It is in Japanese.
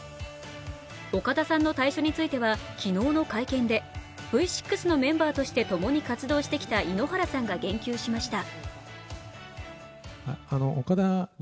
岡田さんの退所については昨日の会見で、Ｖ６のメンバーとしてともに活動してきた井ノ原さんが言及しました